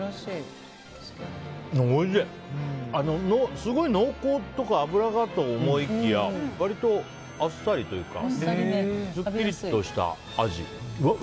すごい濃厚とか脂がと思いきや割とあっさりというかすっきりとした味。